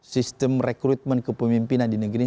sistem rekrutmen kepemimpinan di negeri ini